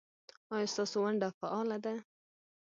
ایا ستاسو ونډه فعاله ده؟